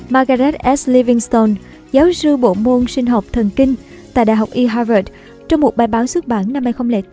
margaret s livingstone giáo sư bộ môn sinh học thần kinh tại đh harvard trong một bài báo xuất bản năm hai nghìn bốn